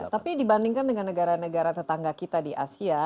tapi dibandingkan dengan negara negara tetangga kita di asia